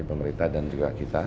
pemerintah dan juga kita